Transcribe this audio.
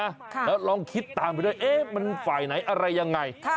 แล้วลองคิดตามไปด้วยเอ๊ะมันฝ่ายไหนอะไรยังไง